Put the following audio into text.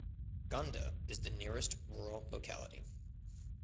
Gonda is the nearest rural locality.